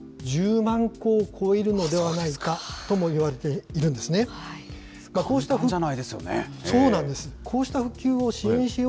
積み直しが必要な石の数、１０万個を超えるのではないかともいわれているんですね。